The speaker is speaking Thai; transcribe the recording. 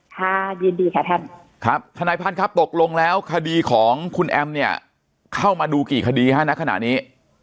ค่ะยินดีค่ะท่านครับทนายพันธ์ครับตกลงแล้วคดีของคุณแอมเนี่ยเข้ามาดูกี่คดีฮะณขณะนี้